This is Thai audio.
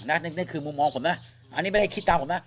นี่คือมุมมองผมนะอันนี้ไม่ได้คิดตามผมนะ